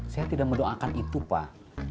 saya tidak mendoakan itu pak